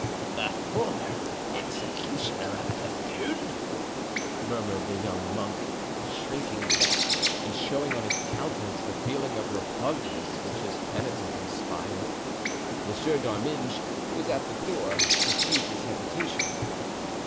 "The former executioner of Bethune!" murmured the young monk, shrinking back and showing on his countenance the feeling of repugnance which his penitent inspired. Monsieur d'Arminges, who was at the door, perceived his hesitation.